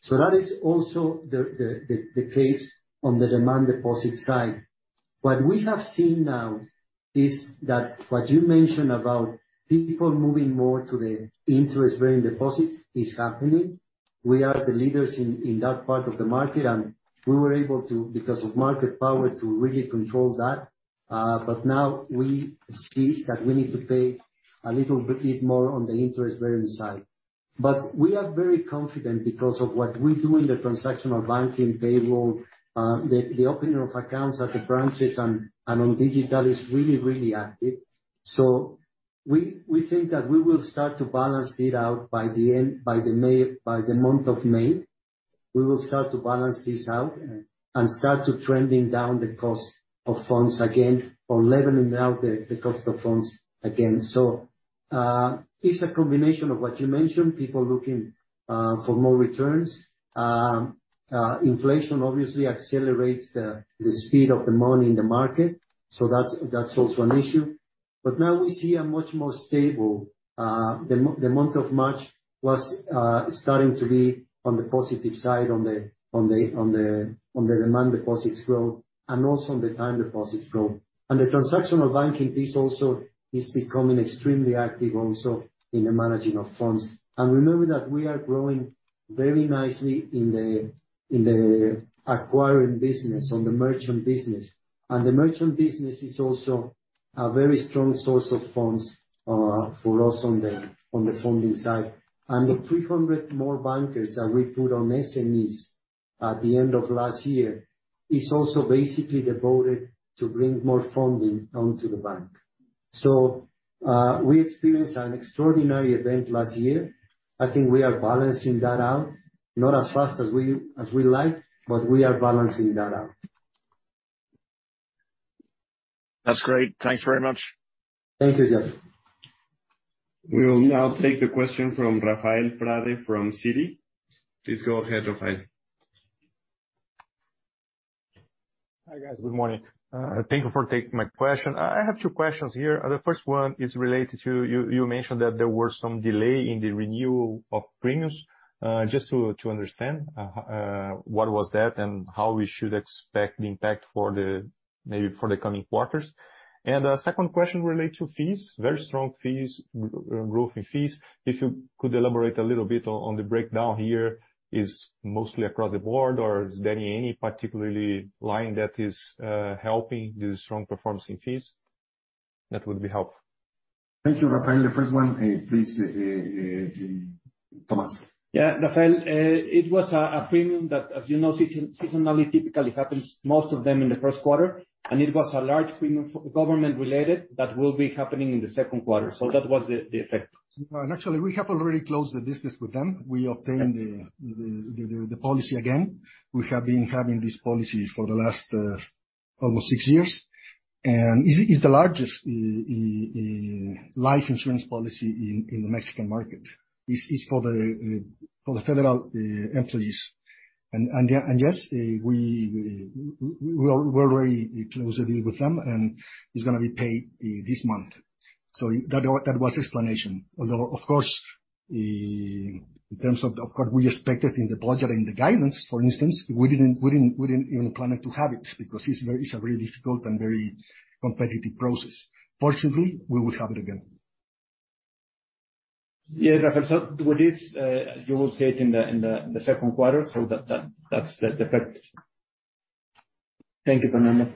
That is also the case on the demand deposit side. What we have seen now is that what you mentioned about people moving more to the interest-bearing deposits is happening. We are the leaders in that part of the market, and we were able to, because of market power, to really control that. Now we see that we need to pay a little bit more on the interest-bearing side. We are very confident because of what we do in the transactional banking payroll. The opening of accounts at the branches and on digital is really, really active. We think that we will start to balance it out by the end, by the May, by the month of May, we will start to balance this out and start to trending down the cost of funds again or leveling out the cost of funds again. It's a combination of what you mentioned, people looking for more returns. Inflation obviously accelerates the speed of the money in the market, that's also an issue. Now we see a much more stable month of March was starting to be on the positive side on the demand deposits growth and also on the time deposits growth. The transactional banking piece also is becoming extremely active also in the managing of funds. Remember that we are growing very nicely in the acquiring business, on the merchant business. The merchant business is also a very strong source of funds for us on the funding side. The 300 more bankers that we put on SMEs at the end of last year is also basically devoted to bring more funding onto the bank. We experienced an extraordinary event last year. I think we are balancing that out, not as fast as we like, but we are balancing that out. That's great. Thanks very much. Thank you, Geoff. We will now take the question from Rafael Frade from Citi. Please go ahead, Rafael. Hi, guys. Good morning. Thank you for taking my question. I have two questions here. The first one is related to you mentioned that there were some delay in the renewal of premiums. Just to understand what was that and how we should expect the impact for the, maybe for the coming quarters. The second question relate to fees, very strong fees, growth in fees. If you could elaborate a little bit on the breakdown here. Is mostly across the board or is there any particularly line that is helping the strong performance in fees? That would be helpful. Thank you, Rafael. The first one, please, Tomás. Yeah, Rafael, it was a premium that, as you know, seasonally typically happens most of them in the first quarter. It was a large premium government related that will be happening in the second quarter. That was the effect. Actually, we have already closed the business with them. We obtained the policy again. We have been having this policy for the last almost six years. Is the largest life insurance policy in the Mexican market. It's for the federal employees. We're already close a deal with them, and it's gonna be paid this month. That was explanation. Of course, in terms of course, we expected in the budget and the guidance, for instance, we didn't even plan it to have it because it's very, it's a very difficult and very competitive process. Fortunately, we will have it again. Yeah, Rafael. With this, you will see it in the second quarter. That's the effect. Thank you so much.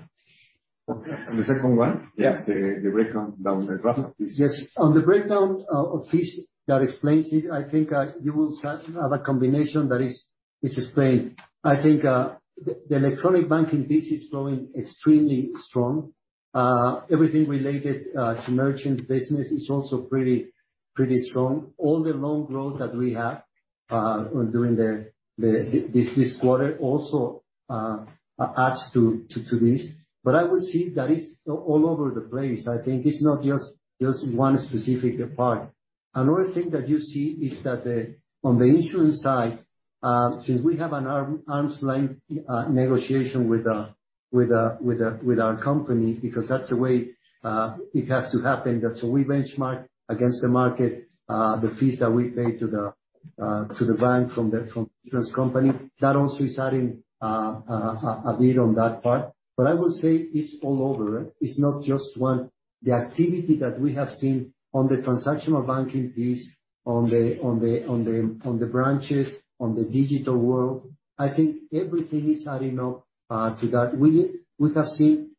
The second one? Yes. The breakdown down the graph please. Yes. On the breakdown of fees that explains it, I think, you will have a combination that is explained. I think, the electronic banking piece is growing extremely strong. Everything related to merchant business is also pretty strong. All the loan growth that we have during this quarter also adds to this. I will say that is all over the place. I think it's not just one specific part. Another thing that you see is that on the insurance side, since we have an arm's length negotiation with our company, because that's the way it has to happen. We benchmark against the market the fees that we pay to the bank from the insurance company. That also is adding, a bit on that part. I will say it's all over. It's not just one. The activity that we have seen on the transactional banking piece, on the branches, on the digital world, I think everything is adding up to that. We have seen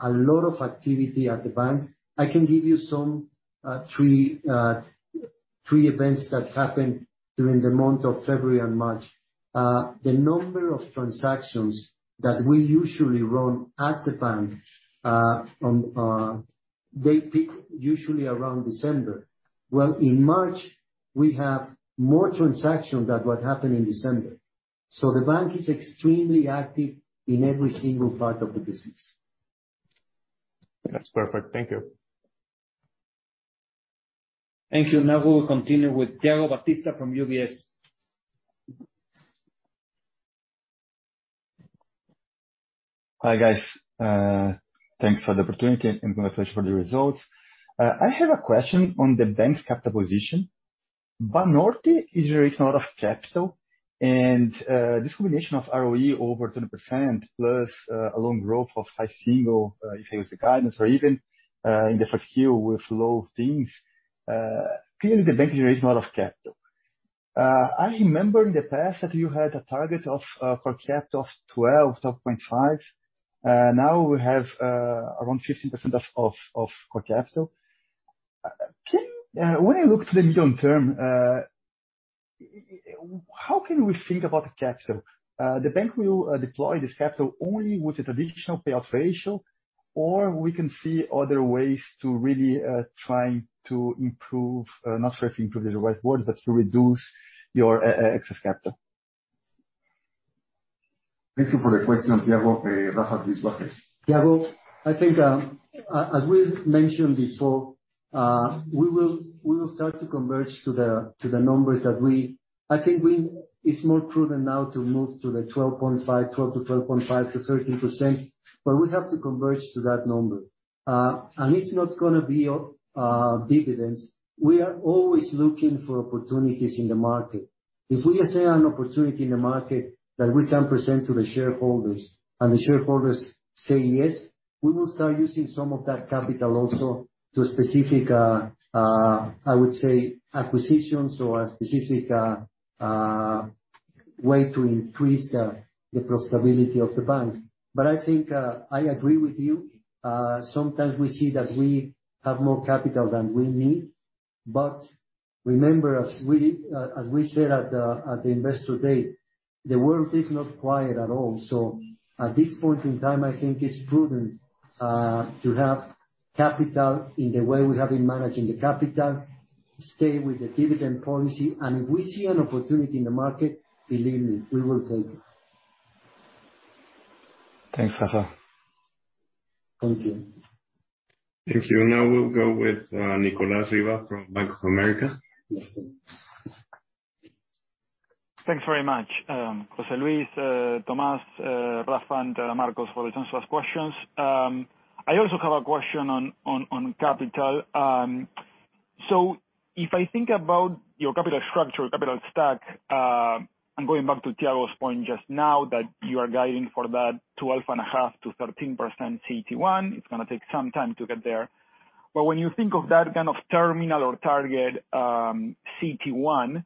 a lot of activity at the bank. I can give you some three events that happened during the month of February and March. The number of transactions that we usually run at the bank, from, they peak usually around December. Well, in March, we have more transactions than what happened in December. The bank is extremely active in every single part of the business. That's perfect. Thank you. Thank you. Now we will continue with Thiago Batista from UBS. Hi, guys. Thanks for the opportunity and congratulations for the results. I have a question on the bank's capital position. Banorte is raising a lot of capital and this combination of ROE over 20% plus a loan growth of high single, if I use the guidance or even in the first Q with low teens, clearly the bank is raising a lot of capital. I remember in the past that you had a target of core capital of 12.5. Now we have around 15% of core capital. Can when I look to the medium term, how can we think about the capital? The bank will deploy this capital only with a traditional payout ratio, or we can see other ways to really try to improve, not sure if improve is the right word, but to reduce your excess capital. Thank you for the question, Thiago. Rafa, please go ahead. Thiago, I think, as we mentioned before, we will start to converge to the numbers that we. I think it's more prudent now to move to the 12.5%, 12% to 12.5% to 13%, but we have to converge to that number. It's not gonna be dividends. We are always looking for opportunities in the market. If we see an opportunity in the market that we can present to the shareholders, and the shareholders say yes, we will start using some of that capital also to specific, I would say acquisitions or a specific way to increase the profitability of the bank. I think I agree with you. Sometimes we see that we have more capital than we need. Remember, as we said at the investor day, the world is not quiet at all. At this point in time, I think it's prudent to have capital in the way we have been managing the capital, stay with the dividend policy, and if we see an opportunity in the market, believe me, we will take it. Thanks, Rafa. Thank you. Thank you. Now we'll go with Nicolas Riva from Bank of America. Yes, sir. Thanks very much, Jose Luis, Tomás, Rafa, and Marcos for the chance to ask questions. I also have a question on, on capital. If I think about your capital structure or capital stack, I'm going back to Thiago's point just now that you are guiding for that 12.5%-13% CET1. It's gonna take some time to get there. When you think of that kind of terminal or target, CET1,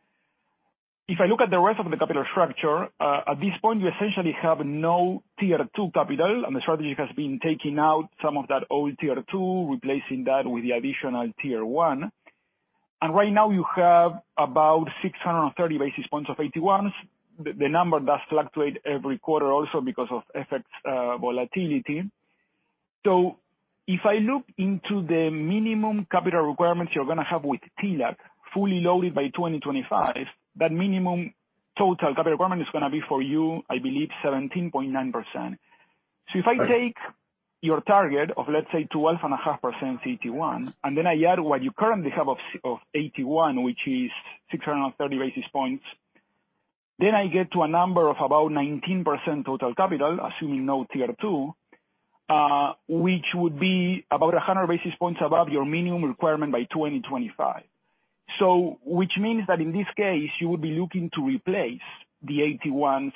if I look at the rest of the capital structure, at this point, you essentially have no Tier 2 capital, and the strategy has been taking out some of that old Tier 2, replacing that with the Additional Tier 1. Right now you have about 630 basis points of AT1s. The number does fluctuate every quarter also because of FX volatility. If I look into the minimum capital requirements you're gonna have with TLAC fully loaded by 2025, that minimum total capital requirement is gonna be for you, I believe 17.9%. If I take your target of, let's say, 12.5% CET1, and then I add what you currently have of AT1, which is 630 basis points, then I get to a number of about 19% total capital, assuming no Tier 2, which would be about 100 basis points above your minimum requirement by 2025. Which means that in this case, you would be looking to replace the AT1s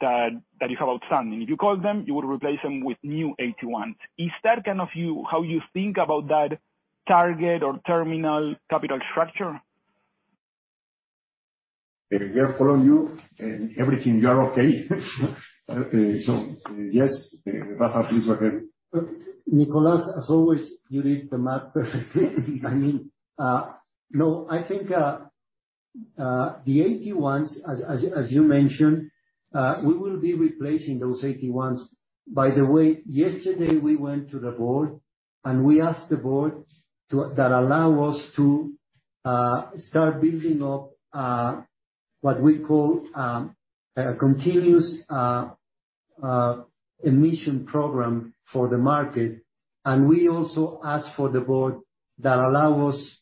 that you have outstanding. If you call them, you would replace them with new AT1s. Is that kind of how you think about that target or terminal capital structure? We are following you, and everything, you are okay. Yes, Rafa, please go ahead. Nicolas, as always, you read the map perfectly. I mean, no, I think the AT1s, as you mentioned, we will be replacing those AT1s. By the way, yesterday, we went to the board, and we asked the board that allow us to start building up what we call a continuous emission program for the market. We also asked for the board that allow us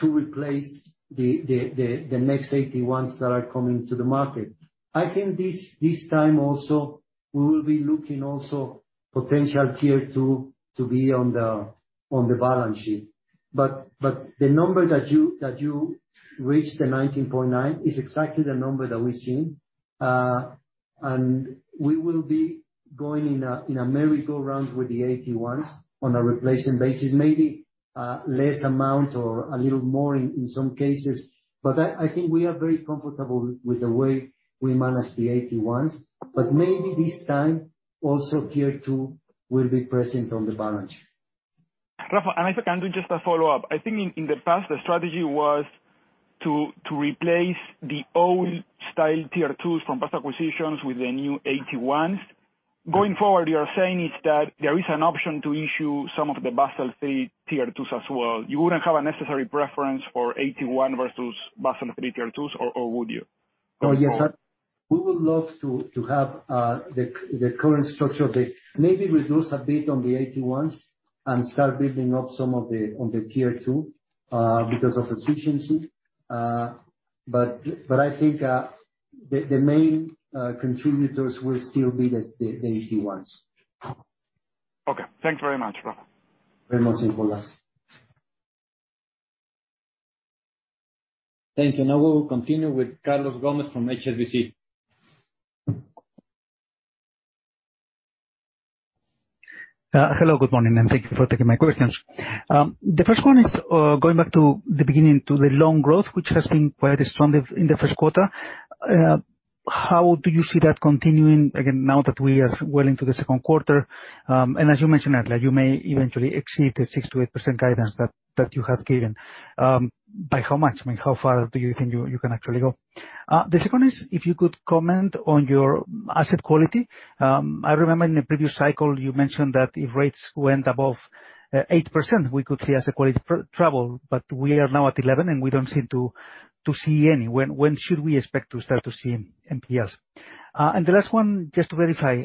to replace the next AT1s that are coming to the market. I think this time also we will be looking also potential Tier 2 to be on the balance sheet. But the number that you reached, the 19.9, is exactly the number that we've seen. We will be going in a merry-go-round with the AT1s on a replacement basis, maybe, less amount or a little more in some cases. I think we are very comfortable with the way we manage the AT1s. Maybe this time, also, tier two will be present on the balance. Rafa, if I can do just a follow-up. I think in the past, the strategy was to replace the old-style Tier 2s from past acquisitions with the new AT1s. Going forward, you are saying is that there is an option to issue some of the Basel III Tier 2s as well. You wouldn't have a necessary preference for AT1 versus Basel III Tier 2s, or would you? Oh, yes. We would love to have the current structure of the... Maybe reduce a bit on the AT1s and start building up some of the, on the tier two, because of efficiency. But I think the main contributors will still be the AT1s. Okay. Thank you very much, Rafa. Very much, Nicolas. Thank you. Now we will continue with Carlos Gomez-Lopez from HSBC. Hello, good morning, and thank you for taking my questions. The first one is going back to the beginning, to the loan growth, which has been quite strong in the first quarter. How do you see that continuing, again, now that we are well into the second quarter? And as you mentioned, Rafael, you may eventually exceed the 6%-8% guidance that you have given. By how much? I mean, how far do you think you can actually go? The second is, if you could comment on your asset quality. I remember in the previous cycle you mentioned that if rates went above 8%, we could see asset quality trouble, but we are now at 11, and we don't seem to see any. When should we expect to start to see NPLs? The last one, just to verify,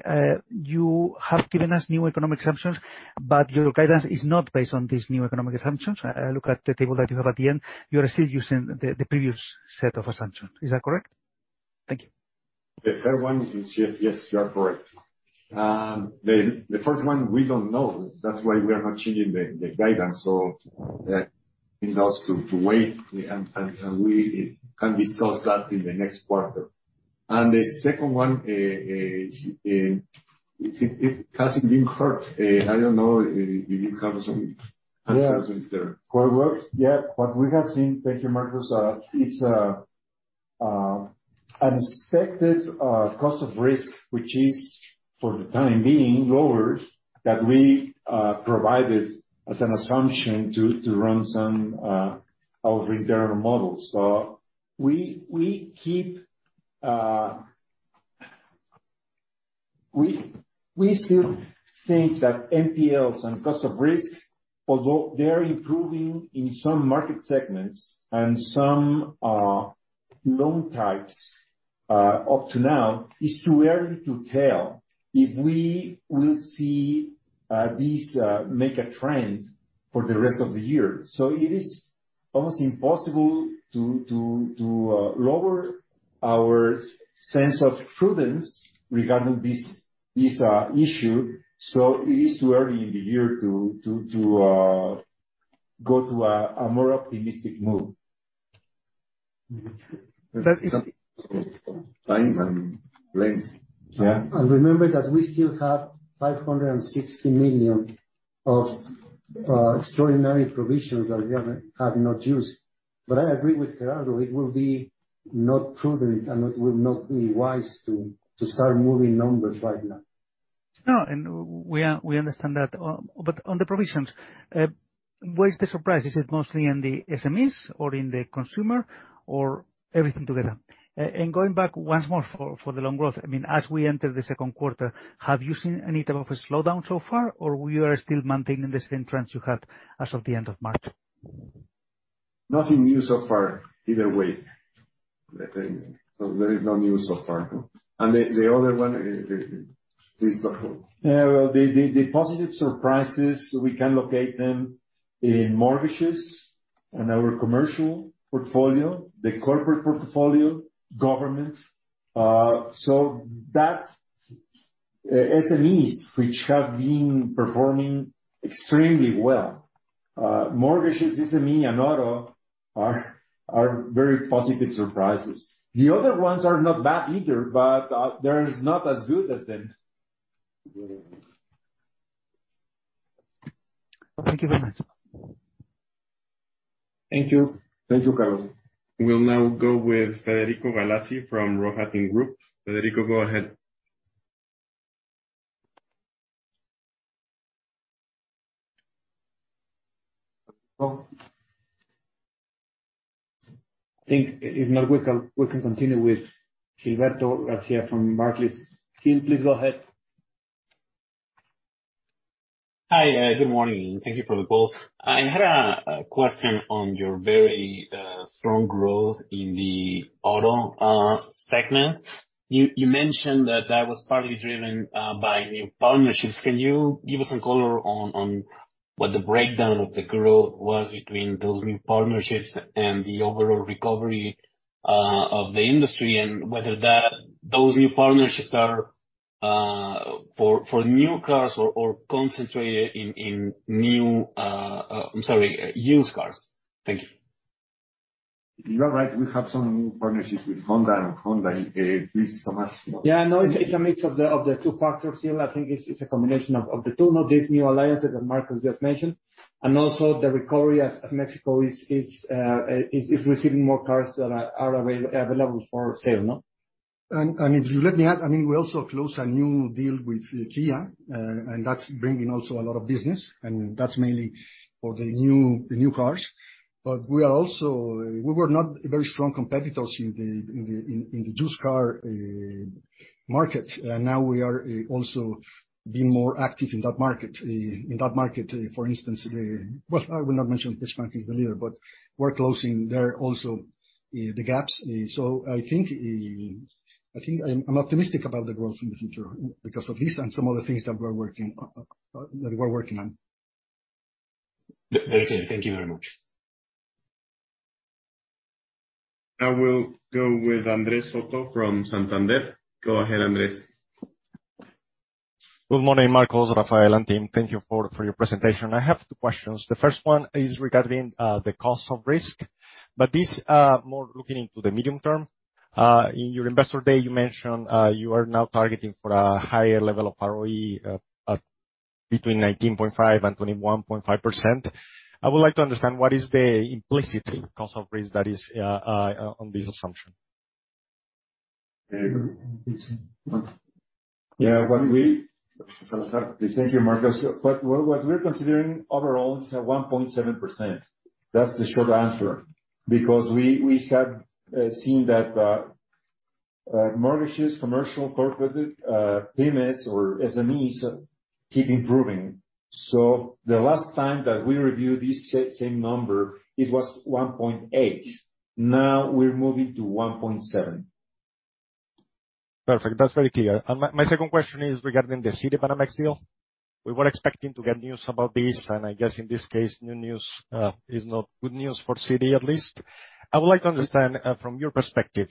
you have given us new economic assumptions, but your guidance is not based on these new economic assumptions. I look at the table that you have at the end. You are still using the previous set of assumptions. Is that correct? Thank you. The third one is yes. Yes, you are correct. The first one, we don't know. That's why we are not changing the guidance. It's best to wait and we can discuss that in the next quarter. The second one, it hasn't been hurt. I don't know if you have some answers there. Yeah. What works? Yeah. What we have seen, thank you, Marcos, is unexpected cost of risk, which is, for the time being, lower that we provided as an assumption to run some our internal models. We keep. We still think that NPLs and cost of risk, although they're improving in some market segments and some loan types, up to now, it's too early to tell if we will see these make a trend for the rest of the year. It is almost impossible to lower our sense of prudence regarding this issue. It is too early in the year to go to a more optimistic mood. Time and length. Yeah. Remember that we still have 560 million of extraordinary provisions that we have not used. I agree with Gerardo, it will be not prudent, and it will not be wise to start moving numbers right now. We understand that. On the provisions, where is the surprise? Is it mostly in the SMEs or in the consumer or everything together? Going back once more for the loan growth, I mean, as we enter the second quarter, have you seen any type of a slowdown so far, or we are still maintaining the same trends you had as of the end of March? Nothing new so far either way. There is no new so far, no. The other one, please go forward. Yeah. Well, the, the positive surprises, we can locate them in mortgages and our commercial portfolio, the corporate portfolio, government. SMEs which have been performing extremely well. Mortgages, SME and auto are very positive surprises. The other ones are not bad either, but they're not as good as them. Thank you very much. Thank you. Thank you, Carlos. We'll now go with Federico Galassi from The Rohatyn Group. Federico, go ahead. Hello? I think if not, we can continue with Gilberto Garcia from Barclays. Gil, please go ahead. Hi. Good morning, and thank you for the call. I had a question on your very strong growth in the auto segment. You mentioned that that was partly driven by new partnerships. Can you give us some color on what the breakdown of the growth was between those new partnerships and the overall recovery of the industry and whether those new partnerships are for new cars or concentrated in, I'm sorry, used cars. Thank you. You are right. We have some new partnerships with Honda and Honda. Please, Tomás. Yeah, no, it's a mix of the two factors here. I think it's a combination of the two. These new alliances that Marcos just mentioned, and also the recovery as Mexico is receiving more cars that are available for sale, no? If you let me add, I mean, we also closed a new deal with Kia, and that's bringing also a lot of business, and that's mainly for the new, the new cars. We were not very strong competitors in the used car market, and now we are also being more active in that market. In that market, for instance, well, I will not mention which market is the leader, but we're closing there also, the gaps. I think I'm optimistic about the growth in the future because of this and some other things that we're working on. Very clear. Thank you very much. I will go with Andrés Soto from Santander. Go ahead, Andrés. Good morning, Marcos, Rafael, and team. Thank you for your presentation. I have two questions. The first one is regarding the cost of risk, but this more looking into the medium term. In your investor day, you mentioned you are now targeting for a higher level of ROE between 19.5 and 21.5%. I would like to understand what is the implicit cost of risk that is on this assumption. Yeah. Thank you, Marcos. What we're considering overall is 1.7%. That's the short answer. We have seen that mortgages, commercial, corporate, PyMEs or SMEs keep improving. The last time that we reviewed this same number, it was 1.8%. Now we're moving to 1.7%. Perfect. That's very clear. My second question is regarding the Citibanamex deal. We were expecting to get news about this, and I guess in this case, new news is not good news for Citi, at least. I would like to understand from your perspective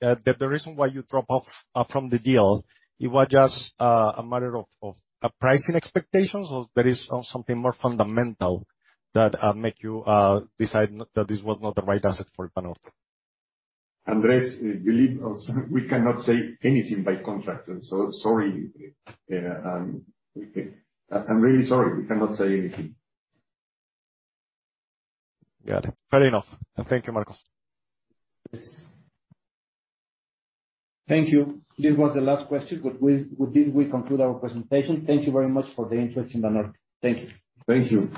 the reason why you drop off from the deal. It was just a matter of pricing expectations or there is something more fundamental that make you decide that this was not the right asset for Banorte? Andrés, believe us, we cannot say anything by contract. Sorry. I'm really sorry. We cannot say anything. Got it. Fair enough. Thank you, Marcos. Thank you. This was the last question. With this, with this we conclude our presentation. Thank you very much for the interest in Banorte. Thank you. Thank you.